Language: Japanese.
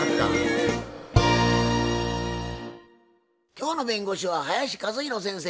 今日の弁護士は林一弘先生。